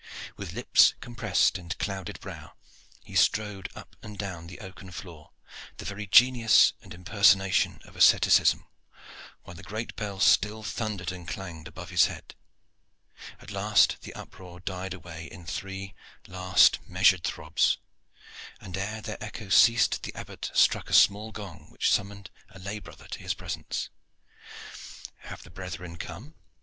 With lips compressed and clouded brow, he strode up and down the oaken floor, the very genius and impersonation of asceticism, while the great bell still thundered and clanged above his head. At last the uproar died away in three last, measured throbs, and ere their echo had ceased the Abbot struck a small gong which summoned a lay brother to his presence. "Have the brethren come?"